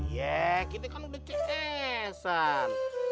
iya kita kan udah cs an